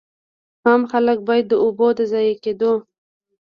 عام خلک باید د اوبو د ضایع کېدو.